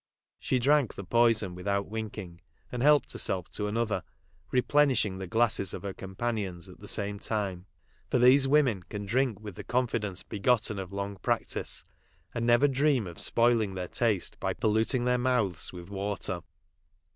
She drank the poison without winking, and helped herself to another, re plenishing the glasses of her companions at the same time, for these women can drink with the confidence begotten of long practice, and never dream of spoiling theirtasteby polluting their mouths with water.